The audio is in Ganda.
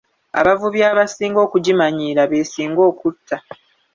Abavubi abasinga okugimanyiira b'esinga okutta.